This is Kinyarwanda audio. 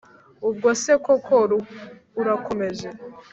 Ubwo se koko urakomeje?